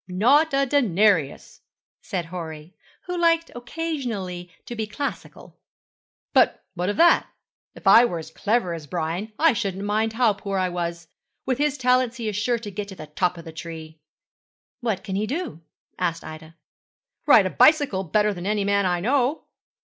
'Not a denarius,' said Horry, who liked occasionally to be classical. 'But what of that? If I were as clever as Brian I shouldn't mind how poor I was. With his talents he is sure to get to the top of the tree.' 'What can he do?' asked Ida. 'Ride a bicycle better than any man I know.'